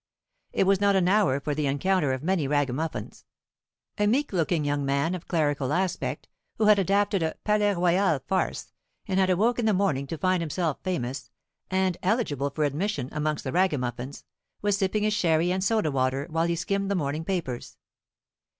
It was not an hour for the encounter of many Ragamuffins. A meek looking young man, of clerical aspect, who had adapted a Palais Royal farce, and had awoke in the morning to find himself famous, and eligible for admission amongst the Ragamuffins, was sipping his sherry and soda water while he skimmed the morning papers.